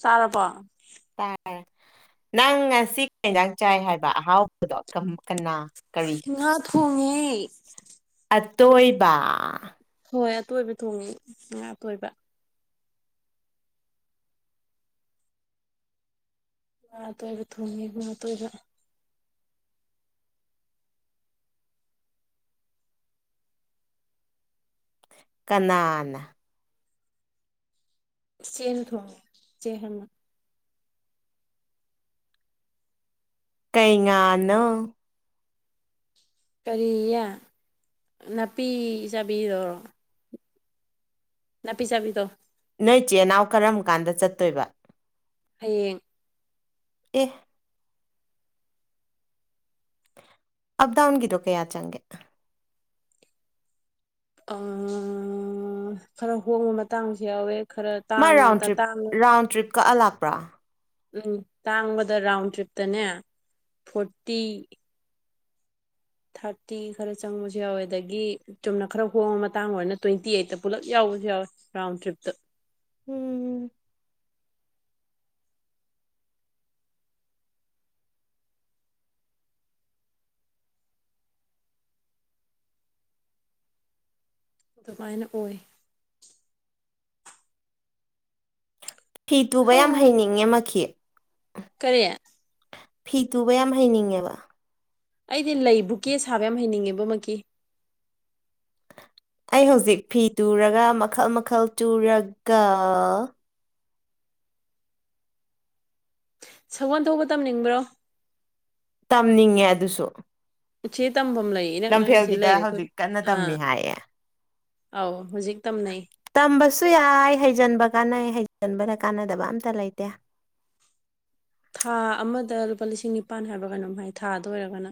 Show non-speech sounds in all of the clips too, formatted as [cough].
ꯆꯥꯔꯕꯣ ꯇꯥꯔꯦ ꯅꯪ ꯉꯁꯤ ꯀꯩ ꯢꯟꯖꯥꯡ ꯆꯥꯏ ꯍꯥꯏꯕ ꯑꯍꯥꯎꯕꯗꯣ ꯀꯝ ꯀꯅꯥ ꯀꯔꯤ ꯉꯥ ꯊꯣꯡꯉꯦ ꯑꯇꯣꯏꯕꯥ ꯍꯣꯏ ꯑꯇꯣꯏꯕ ꯊꯣꯡꯉꯦ ꯉꯥ ꯑꯇꯣꯏꯕ ꯉꯥ ꯑꯇꯣꯏꯕ ꯊꯣꯡꯉꯦ ꯉꯥ ꯑꯇꯣꯏꯕ ꯀꯅꯥꯅ ꯢꯆꯦꯟ ꯊꯣꯡꯉꯦ ꯆꯦꯍꯟꯅ ꯀꯩ ꯉꯥꯅꯣ ꯀꯔꯤꯌꯦ ꯅꯥꯄꯤ ꯆꯥꯕꯤꯔꯣ ꯅꯥꯄꯤ ꯆꯥꯕꯤꯗꯣ ꯅꯣꯏ ꯆꯦꯅꯥꯎ ꯀꯔꯝ ꯀꯥꯟꯗ ꯆꯠꯇꯣꯏꯕ ꯍꯌꯦꯡ ꯑꯦ ꯑꯞ ꯗꯥꯎꯟ ꯒꯤꯗꯣ ꯀꯌꯥ ꯆꯪꯒꯦ ꯑ ꯈꯔ ꯍꯣꯡꯕ ꯃꯇꯥꯡꯁꯨ ꯌꯥꯎꯋꯦ ꯈꯔ ꯃꯥ ꯇꯥꯡꯕ ꯔꯥꯎꯟ ꯃꯇꯥꯡ ꯇ꯭ꯔꯤꯞ ꯇꯥꯡꯕ ꯔꯥꯎꯟ ꯇ꯭ꯔꯤꯞ ꯀꯛꯑ ꯂꯥꯛꯄ꯭ꯔꯥ ꯎꯝ ꯇꯥꯡꯕꯗ ꯔꯥꯎꯟ ꯇ꯭ꯔꯤꯞꯇꯅꯦ ꯐꯣꯔꯇꯤ ꯊꯥꯔꯇꯤ ꯈꯔ ꯆꯪꯕꯁꯨ ꯌꯥꯎꯋꯦ ꯑꯗꯒꯤ ꯆꯨꯝꯅ ꯈꯔ ꯍꯣꯡꯕ ꯃꯇꯥꯡ ꯑꯣꯏꯔꯅ ꯇ꯭ꯋꯦꯟꯇꯤ ꯑꯩꯠꯇ ꯄꯨꯜꯂꯞ ꯌꯥꯎꯕꯁꯨ ꯌꯥꯎꯋꯦ ꯔꯥꯎꯟ ꯇ꯭ꯔꯤꯞꯇ ꯎꯝ ꯑꯗꯨꯃꯥꯏꯅ ꯑꯣꯏ ꯐꯤ ꯇꯨꯕ ꯌꯥꯝ ꯍꯥ ꯍꯩꯅꯤꯡꯉꯦ ꯃꯈꯤ ꯀꯔꯤ ꯐꯤ ꯇꯨꯕ ꯌꯥꯝ ꯍꯩꯅꯤꯡꯉꯦꯕ ꯑꯩꯗꯤ ꯂꯩ ꯕꯨꯀꯦ ꯁꯥꯕ ꯌꯥꯝ ꯍꯩꯅꯤꯡꯉꯦꯕꯣ ꯃꯛꯀꯤ ꯑꯩ ꯍꯧꯖꯤꯛ ꯐꯤ ꯇꯨꯔꯒ ꯃꯈꯜ ꯃꯈꯜ ꯇꯨꯔꯒ ꯁꯒꯣꯟ ꯊꯧꯕ ꯇꯝꯅꯤꯡꯕ꯭ꯔꯣ ꯇꯝꯅꯤꯡꯉꯦ ꯑꯗꯨꯁꯨ ꯎꯆꯦ ꯇꯝꯕꯝ ꯂꯩ ꯏꯅꯛ ꯅꯛꯅ ꯁꯤ ꯂꯝꯐꯦꯜꯒꯤꯗ ꯂꯩꯔꯦ ꯍꯧꯖꯤꯛ ꯀꯟꯅ [unintelligible] ꯑ ꯇꯝꯃꯤ ꯍꯥꯏꯌꯦ ꯑꯥꯎ ꯍꯧꯖꯤꯛ ꯇꯝꯅꯩ ꯇꯝꯕꯁꯨ ꯌꯥꯏ ꯍꯩꯖꯤꯟꯕ ꯀꯥꯟꯅꯩ ꯍꯩꯖꯤꯟꯕꯗ ꯀꯥꯟꯅꯗꯕ ꯑꯝꯇ ꯂꯩꯇꯦ ꯊꯥ ꯑꯃꯗ ꯂꯨꯄꯥ ꯂꯤꯁꯤꯡ ꯅꯤꯄꯥꯟ ꯍꯥꯏꯕ꯭ꯔ ꯀꯩꯅꯣꯝ ꯍꯥꯏ ꯊꯥꯗ ꯑꯣꯏꯔꯒꯅ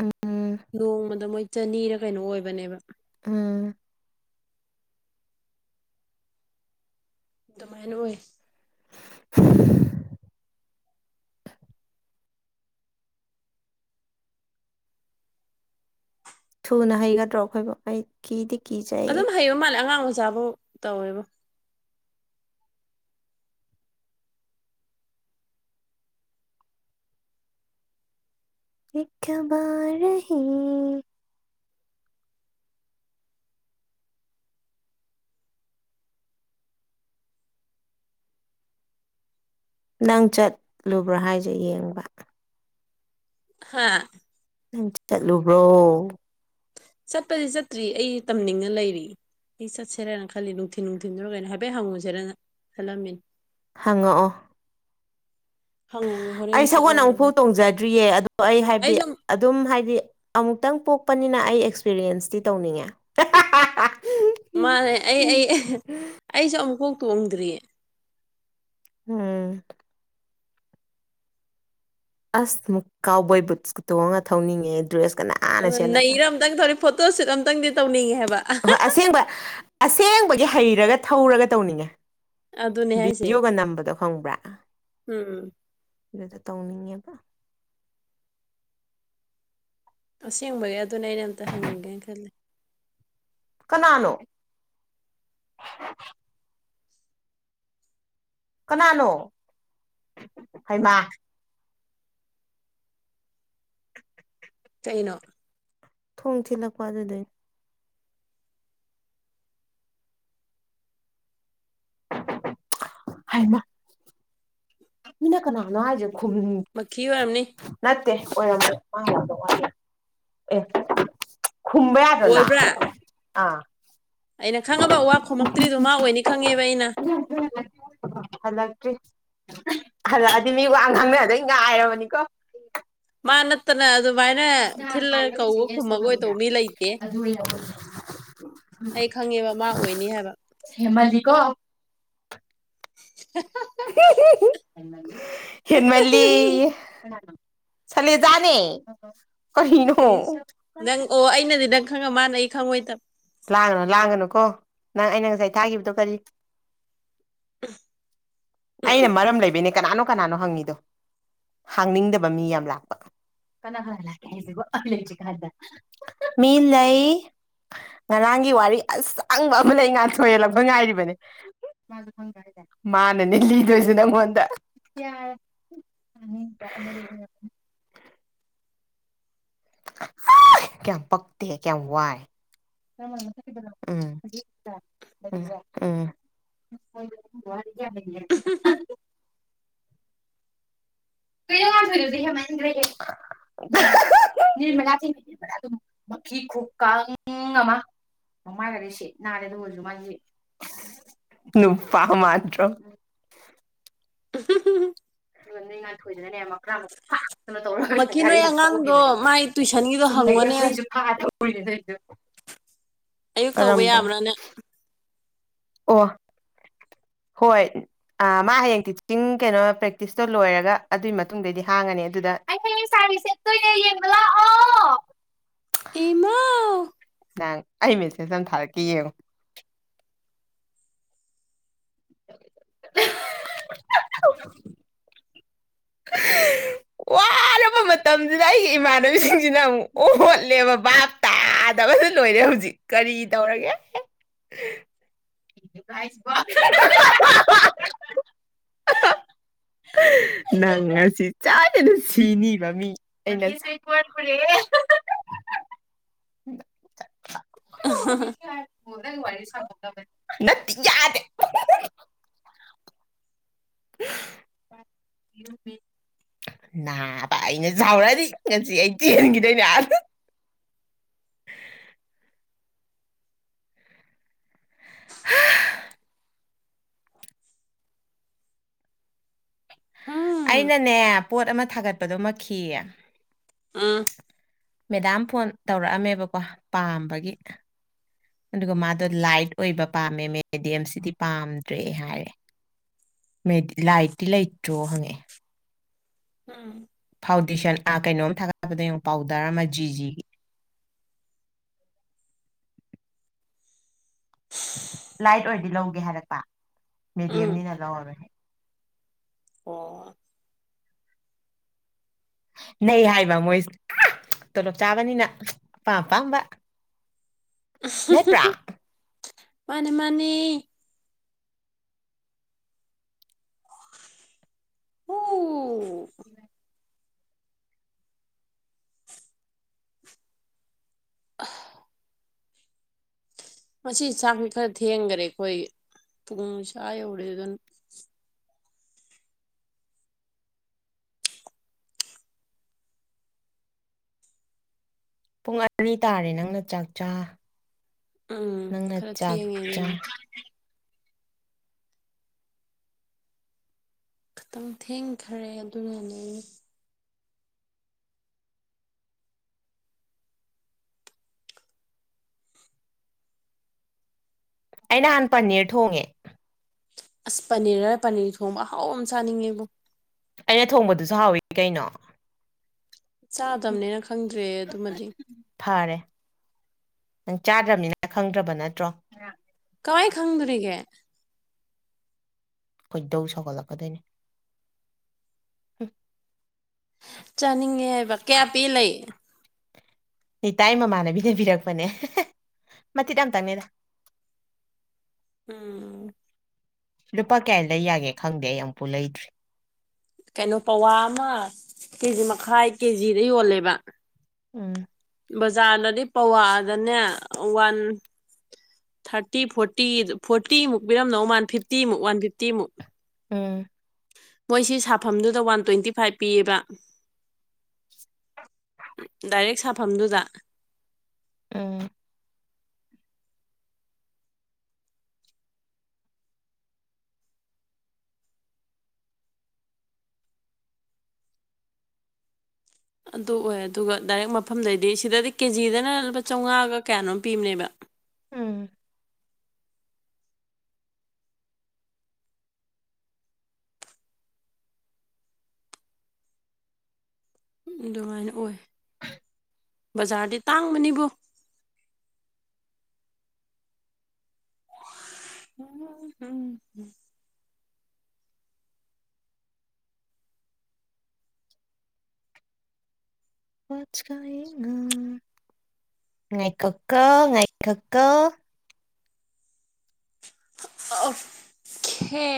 ꯎꯝ ꯅꯣꯡꯃꯗ ꯃꯣꯏ ꯆꯅꯤꯔ ꯀꯩꯅꯣ ꯑꯣꯏꯕꯅꯦꯕ ꯎꯝ ꯑꯗꯨꯃꯥꯏꯅ ꯑꯣꯏ [unintelligible] ꯊꯨꯅ ꯍꯩꯒꯗ꯭ꯔꯣ ꯑꯩꯈꯣꯏꯕꯨ ꯑꯩ ꯀꯤꯗꯤ ꯀꯤꯖꯩ ꯑꯗꯨꯝ ꯍꯩꯕ ꯃꯥꯜꯂꯦ ꯑꯉꯥꯡ ꯃꯆꯥꯕꯧ ꯇꯧꯋꯦꯕꯣ [unintelligible] ꯅꯪ ꯆꯠꯂꯨꯕ꯭ꯔꯥ ꯍꯥꯏꯖꯦ ꯌꯦꯡꯕ ꯍꯥꯥ ꯅꯪ ꯆꯠꯂꯨꯕ꯭ꯔꯣ ꯆꯠꯄꯗꯤ ꯆꯠꯇ꯭ꯔꯤ ꯑꯩ ꯇꯝꯅꯤꯡꯉ ꯂꯩꯔꯤ꯫ ꯑꯩ ꯆꯠꯁꯦꯔꯦꯅ ꯈꯜꯂꯤ ꯅꯨꯡꯊꯤꯟ ꯅꯨꯡꯊꯤꯟꯗꯨꯔ ꯀꯩꯅꯣ ꯍꯥꯏꯐꯦꯠ ꯍꯪꯉꯨꯁꯦꯔꯅ ꯈꯜꯂꯝꯃꯤꯅꯤ꯫ ꯍꯪꯉꯛꯑꯣ꯫ ꯍꯪꯉꯣ [unintelligible] ꯑꯩ ꯁꯒꯣꯟꯅ ꯑꯃꯨꯛꯐꯥꯎ ꯇꯣꯡꯖꯗ꯭ꯔꯤꯌꯦ ꯑꯗꯣ ꯑꯩ ꯍꯥꯏꯕꯗꯤ꯫ ꯑꯗꯨꯝ ꯍꯥꯏꯗꯤ ꯑꯃꯨꯛꯇꯪ ꯄꯣꯛꯄꯅꯤꯅ ꯑꯩ ꯑꯦꯛꯁꯄꯤꯔꯤꯌꯦꯟꯁꯇꯤ ꯇꯧꯅꯤꯡꯉꯦ꯫ [unintelligible] ꯃꯥꯅꯦ ꯑꯩ ꯑꯩ ꯑꯩꯁꯨ ꯑꯃꯨꯛꯀꯥꯎ ꯇꯣꯡꯗ꯭ꯔꯤꯌꯦ꯫ ꯎꯝ꯫ ꯑꯁ ꯃꯨꯛ ꯀꯥꯎ ꯕꯣꯏ ꯕꯨꯠꯁꯀꯇꯣꯡꯉꯒ ꯊꯧꯅꯤꯡꯉꯦ ꯗ꯭ꯔꯦꯁꯀꯅ ꯑꯗꯨ ꯅꯩꯔ ꯑꯝꯇꯪ ꯊꯧꯔꯤ ꯐꯣꯇꯣ ꯁꯨꯠ ꯑꯇꯪꯗꯤ ꯇꯧꯅꯤꯡꯉꯦ ꯍꯥꯏꯕ꯫ ꯍꯣꯏ ꯑꯁꯦꯡꯕ ꯑꯁꯦꯡꯕꯒꯤ ꯍꯩꯔꯒ ꯊꯧꯔꯒ ꯇꯧꯅꯤꯡꯉꯦ꯫ ꯑꯗꯨꯅꯦ ꯍꯥꯏꯁꯦ ꯚꯤꯗꯤꯑꯣꯒ ꯅꯝꯕꯗꯣ ꯈꯪꯕ꯭ꯔꯥ ꯎꯝ ꯑꯗꯨꯗꯣ ꯇꯧꯅꯤꯡꯉꯦꯕ꯫ ꯑꯁꯦꯡꯕꯒꯤ ꯑꯗꯨꯅ ꯑꯩꯅ ꯑꯝꯇ ꯍꯪꯒꯦꯅ ꯈꯜꯂꯦ꯫ ꯀꯅꯥꯅꯣ꯫ ꯀꯅꯥꯅꯣ ꯍꯩꯃꯥ꯫ ꯀꯩꯅꯣ꯫ ꯊꯣꯡ ꯊꯤꯜꯂꯛꯄ ꯑꯗꯨꯗꯩꯅꯦ꯫ ꯍꯥꯏꯃꯥ꯫ ꯃꯤꯅ ꯀꯅꯥꯅꯣ ꯍꯥꯏꯁꯦ ꯈꯨꯝ ꯃꯈꯤ ꯑꯣꯏꯔꯝꯅꯤ꯫ ꯅꯠꯇꯦ ꯑꯣꯏꯔꯝꯕ ꯃꯥꯡꯉꯗ ꯋꯥ ꯑꯦ ꯈꯨꯝꯕ ꯌꯥꯗꯔꯣꯅ ꯑꯣꯏꯕ꯭ꯔꯥ ꯑꯥ ꯑꯩꯅ ꯈꯪꯉꯕ ꯋꯥ ꯈꯣꯃꯛꯇ꯭ꯔꯤꯗꯣ ꯃꯥ ꯑꯣꯏꯅꯤ ꯈꯪꯉꯦꯕ ꯑꯩꯅ꯫ ꯑꯣ ꯍꯜꯂꯛꯇꯔꯤ ꯍꯜꯂꯛꯑꯗꯤ ꯃꯤ ꯋꯥ ꯉꯥꯡꯅꯗꯣꯏ ꯉꯥꯏꯔꯕꯅꯤꯀꯣ꯫ ꯃꯥ ꯅꯠꯇꯅ ꯑꯗꯨꯃꯥꯏꯅ ꯊꯤꯜꯂꯒ ꯀꯧꯕ ꯈꯨꯝꯃꯥꯛꯑꯣꯗꯧꯕ ꯃꯤ ꯂꯩꯇꯦ꯫ ꯑꯗꯨ ꯑꯣꯏꯔꯕꯅꯦ꯫ ꯑꯩ ꯈꯪꯉꯦꯕ ꯃꯥ ꯑꯣꯏꯅꯤ ꯍꯥꯏꯕ꯫ ꯍꯦꯃꯥꯜꯂꯤꯀꯣ꯫ [unintelligible] ꯍꯦꯟꯃꯥꯜꯂꯤ ꯀꯥꯅꯅꯣ꯫ ꯁꯜꯂꯦꯖꯥꯅꯦ꯫ ꯏꯁ ꯅꯪ ꯑꯣ ꯑꯩꯅꯗꯤ ꯅꯪ ꯈꯪꯉ ꯃꯥꯅ ꯑꯩ ꯈꯪꯉꯣꯏꯗ ꯂꯥꯡꯒꯅꯨ ꯂꯥꯡꯒꯅꯨꯀꯣ ꯅꯪ ꯑꯩꯅ ꯉꯁꯥꯏ ꯊꯥꯈꯤꯕꯗꯣ ꯀ꯭ꯔꯤ꯫ ꯑꯩꯅ ꯃꯔꯝ ꯂꯩꯕꯩꯅꯦ ꯀꯅꯥꯅꯣ ꯀꯅꯥꯅꯣ ꯍꯪꯉꯤꯗꯣ꯫ ꯍꯥꯡꯅꯤꯡꯗꯕ ꯃꯤ ꯌꯥꯝ ꯂꯥꯛꯄ ꯀꯅꯥ ꯀꯅꯥ ꯂꯥꯛꯀꯦ ꯍꯥꯏꯁꯤꯕꯨ ꯑꯩ ꯂꯩꯇ꯭ꯔꯤꯀꯥꯟꯗ꯫ ꯃꯤ ꯂꯩ꯫ ꯉꯔꯥꯡꯒꯤ ꯋꯥꯔꯤ ꯑꯁꯥꯡꯕ ꯑꯃ ꯂꯩ ꯉꯥꯟꯊꫭꯏ ꯍꯜꯂꯛꯄ ꯉꯥꯏꯔꯤꯕꯅꯦ꯫ ꯃꯥꯅꯅꯦ ꯂꯤꯗꯣꯏꯁ ꯅꯪꯉꯣꯟꯗ ꯌꯔꯦ꯫ ꯍꯨꯝ ꯇꯥꯅꯤꯡꯗꯦ ꯑꯝ [unintelligible] ꯀꯌꯥꯝ ꯄꯥꯛꯇꯦ ꯀꯌꯥꯝ ꯋꯥꯏ꯫ [unintelligible] ꯎꯝ ꯎꯝ [unintelligible] ꯆꯦ ꯉꯥꯟꯊꫭꯏꯗꯨꯁꯨ ꯍꯦꯟꯃꯟꯒ꯭ꯔꯦꯍꯦ ꯫ ꯅꯤꯔꯃꯂꯥ ꯊꯤꯡ [unintelligible] ꯃꯈꯤ ꯈꯨꯀꯪ ꯑꯃ ꯃꯃꯥꯏꯒꯗꯤ ꯁꯤꯠ ꯅꯥꯜꯂꯦ ꯑꯗꯨꯒꯖꯨ ꯃꯥꯖꯤ ꯅꯨꯄꯥ ꯃꯥꯟꯗ꯭ꯔꫭ [unintelligible] ꯑꯗꯨꯒ ꯅꫭꯏ ꯉꯥꯟꯊꫭꯏ ꯗꯨꯅꯅꯦ ꯃꯀ꯭ꯔꯥꯡꯒ ꯐꯥꯛ ꯃꯛꯀꯤ ꯅꯣꯏ ꯑꯉꯥꯡꯗꯣ ꯃꯥꯏ ꯇꯨꯏꯁꯟꯒꯤꯗꯣ ꯍꯪꯉꯣꯅꯦ [unintelligible] ꯑꯌꯨꯛ ꯇꯧꯕ ꯀꯔꯝꯕ ꯌꯥꯕ꯭ꯔꯥ ꯅꯦ ꯑꯣ ꯍꯣꯏ ꯑ ꯃꯥ ꯍꯌꯦꯡ ꯇꯤꯆꯤꯡ ꯀꯩꯅꯣ ꯄ꯭ꯔꯦꯛꯇꯤꯁꯇꯣ ꯂꯣꯏꯔꯒ ꯑꯗꯨꯒꯤ ꯃꯇꯨꯡꯗꯩꯗꯤ ꯍꯥꯡꯉꯅꯤ ꯑꯗꯨꯗ [unintelligible] ꯇꫭꯏꯅ ꯌꯣꯡꯕ ꯂꯥꯛꯑꯣ ꯏꯃꯥꯎ ꯅꯪ ꯑꯩ ꯃꯦꯁꯦꯖ ꯑꯃ ꯊꯥꯔꯛꯀꯦ ꯌꯦꯡꯉꯣ [unintelligible] ꯋꯥꯔꯕ ꯃꯇꯝꯁꯤꯗ ꯑꯩꯒꯤ ꯏꯃꯥꯟꯅꯕꯤꯁꯤꯡꯁꯤꯅ ꯑꯃꯨꯛ ꯑꯣꯠꯂꯦꯕ ꯚꯥꯞ ꯇꯥꯗꯕꯁꯨ ꯂꯣꯏꯔꯦ ꯍꯧꯖꯤꯛ ꯀ꯭ꯔꯤ ꯇꯧꯔꯒꯦ ꯀꯩꯅꫭ ꯍꯥꯏꯖꯤꯕꯨ [unintelligible] ꯅꯪ ꯉꯁꯤ ꯁꯣꯏꯗꯅ ꯁꯤꯅꯤꯕ ꯃꯤ ꯑꯩꯅ [unintelligible] [unintelligible] ꯍꫭ ꯅꯪ ꯋꯥꯔꯤ ꯁꯥꯍꯧꯗꯕꯅꯤ ꯅꯠꯇꯤ ꯌꯥꯗꯦ [unintelligible] ꯅꯥꯕ ꯑꯩꯅ ꯁꯥꯎꯔꯑꯗꯤ ꯉꯁꯤ ꯑꯩ ꯆꯦꯟꯒꯤꯗꯣꯏꯅꯦ ꯑꯗꯥ ꯍꯥ ꯎꯝ ꯑꯩꯅꯅꯦ ꯄꯣꯠ ꯑꯃ ꯊꯥꯒꯠꯄꯗꯣ ꯃꯈꯤ ꯎꯝ ꯃꯦꯗꯥꯝ ꯐꯣꯟ ꯇꯧꯔꯛꯑꯝꯃꯦꯕꯀꯣ ꯄꯥꯝꯕꯒꯤ ꯑꯗꯨꯒ ꯃꯥꯗꯣ ꯂꯥꯏꯠ ꯑꯣꯏꯕ ꯄꯥꯝꯃꯦ ꯃꯦꯗꯤꯌꯝꯁꯤꯗꯤ ꯄꯥꯝꯗ꯭ꯔꯦ ꯍꯥꯏꯔꯦ ꯃꯦꯗ ꯂꯥꯏꯠꯇꯤ ꯂꯩꯇ꯭ꯔꯣ ꯍꯪꯉꯛꯑꯦ ꯍꯝ ꯐꯥꯎꯗꯦꯁꯟ ꯑꯥ ꯀꯩꯅꯣꯝ ꯊꯥꯒꯠꯄꯗ ꯌꯦꯡꯉꯣ ꯄꯥꯎꯗꯔ ꯑꯃ ꯖꯤꯖꯤꯒꯤ [unintelligible] ꯂꯥꯏꯠ ꯑꯣꯏꯔꯗꯤ ꯂꯧꯒꯦ ꯍꯥꯏꯔꯛꯄ ꯎꯝ ꯃꯦꯗꯤꯌꯝꯅꯤꯅ ꯂꯧꯔꯔꯣꯏ ꯍꯥꯏ ꯑꯣ ꯅꯩ ꯍꯥꯏꯕ ꯃꯣꯏꯁꯦ ꯑꯥ ꯇꯣꯂꯣꯞ ꯆꯥꯕꯅꯤꯅ ꯑꯄꯥꯝ ꯑꯄꯥꯝꯕ ꯅꯠꯇ꯭ꯔꯥ [unintelligible] ꯃꯥꯅꯤ ꯃꯥꯅꯤ ꯍꯨ ꯑ [unintelligible] ꯉꯁꯤ ꯆꯥꯛꯁꯤ ꯈꯔ ꯊꯦꯡꯈꯔꯦ ꯑꯩꯈꯣꯏ ꯄꯨꯡ ꯆꯥ ꯌꯧꯔꯦ ꯑꯗꯨꯅ ꯄꯨꯡ ꯑꯔꯤ ꯇꯥꯔꯦ ꯅꯪꯅ ꯆꯥꯛ ꯆ ꯎꯝ ꯅꯪꯅ ꯈꯔ ꯆꯥꯛ ꯊꯦꯡꯉꯦ ꯆ ꯑꯗꯨꯅ ꯈꯤꯇꯪ ꯊꯦꯡꯈꯔꯦ ꯑꯗꯨꯅꯅꯦ ꯑꯩ ꯅꯍꯥꯟ ꯄꯅꯤꯔ ꯊꯣꯡꯉꯦ ꯑꯁ ꯄꯅꯤꯔꯔ ꯄꯅꯤꯔ ꯊꯣꯡꯕ ꯑꯍꯥꯎ ꯑꯃ ꯆꯥꯅꯤꯡꯉꯦꯕꯣ ꯑꯩꯅ ꯊꯣꯡꯕꯗꯨꯁꯨ ꯍꯥꯎꯋꯤ ꯀꯩꯅꯣ ꯍꯨꯝ ꯆꯥꯗꯕꯅꯦꯅ ꯈꯪꯗ꯭ꯔꯦ ꯑꯗꯨꯃꯗꯤ ꯐꯔꯦ ꯅꯪ ꯆꯥꯗ꯭ꯔꯕꯅꯤꯅ ꯈꯪꯗ꯭ꯔꯕ ꯅꯠꯇ꯭ꯔꯣ ꯀꯃꯥꯏ ꯈꯪꯗꯣꯔꯤꯒꯦ ꯈꯣꯏ ꯗꯧ ꯁꯧꯒꯠꯂꯛꯀꯗꯣꯏꯅꯤ ꯆꯥꯅꯤꯡꯉꯦ ꯍꯥꯏꯕ ꯀꯌꯥ ꯄꯤ ꯂꯩ ꯔꯤꯇꯥꯏ ꯃꯃꯥꯟꯅꯕꯤꯅ ꯄꯤꯔꯛꯄꯅꯦ ꯃꯇꯤꯠ ꯑꯝ ꯇꯪꯅꯦꯗ ꯎꯝ ꯂꯨꯄꯥ ꯀꯌꯥꯏ ꯂꯩ ꯌꯥꯒꯦ ꯈꯪꯗꯦ ꯑꯩ ꯑꯃꯨꯐꯥꯎ ꯂꯩꯗ꯭ꯔꯤ ꯀꯩꯅꯣ ꯄꯋꯥ ꯑꯃ ꯀꯦꯖꯤ ꯃꯈꯥꯏ ꯀꯦꯖꯤꯗ ꯌꯣꯜꯂꯦꯕ ꯎꯝ ꯕꯖꯥꯔꯗꯗꯤ ꯄꯋꯥꯗꯅꯦ ꯋꯥꯟ ꯊꯥꯔꯇꯤ ꯐꯣꯔꯇꯤ ꯐꯣꯔꯇꯤꯃꯨꯛ ꯄꯤꯔꯝꯗꯧ ꯃꯥꯜ ꯐꯤꯐꯇꯤꯃꯨꯛ ꯋꯥꯟ ꯐꯤꯐꯇꯤꯃꯨꯛ ꯎꯝ ꯃꯣꯏꯁꯤ ꯁꯥꯐꯝꯗꯨꯗ ꯋꯥꯟ ꯇ꯭ꯋꯦꯟꯇꯤ ꯐꯥꯏꯚ ꯄꯤꯌꯦꯕ ꯗꯥꯏꯔꯦꯛ ꯁꯥꯐꯝꯗꯨꯗ ꯎꯝ ꯑꯗꯨ ꯑꯣꯏ ꯑꯗꯨꯒ ꯗꯥꯏꯔꯦꯛ ꯃꯐꯝꯗꯩꯗꯤ ꯁꯤꯗꯗꯤ ꯀꯦꯖꯤꯗꯅ ꯂꯨꯄꯥ ꯆꯧꯉꯥꯒ ꯀꯌꯥꯅꯣꯝ ꯄꯤꯕꯅꯦꯕ ꯎꯝ ꯑꯗꯨꯃꯥꯏꯅ ꯑꯣꯏ ꯕꯖꯥꯔꯗꯤ ꯇꯥꯡꯕꯅꯤꯕꯣ ꯎꯝ ꯎꯝ ꯉꯥꯏꯈꯣꯀꯣ ꯉꯥꯏꯈꯣꯀꯣ ꯑꯣ ꯀꯦ